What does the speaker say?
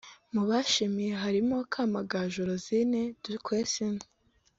Mu bashimiwe harimo Kamagaju Rosine Duquesne